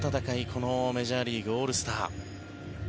このメジャーリーグオールスター。